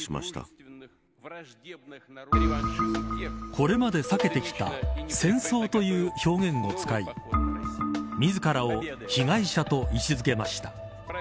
これまで避けてきた戦争という表現を使い自らを被害者と位置付けました。